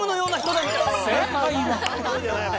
正解は。